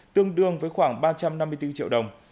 tương đương với khoảng ba trăm năm mươi bốn triệu đồng